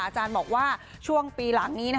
อาจารย์บอกว่าช่วงปีหลังนี้